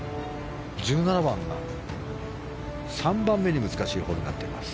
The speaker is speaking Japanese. １７番が３番目に難しいホールになっています。